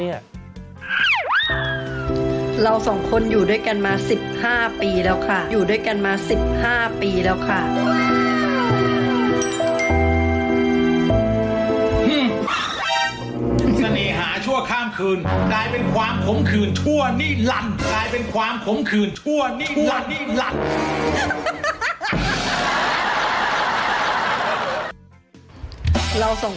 เราส่งกัน